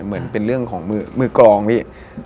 เหมือนเป็นเรื่องของมือกรองพี่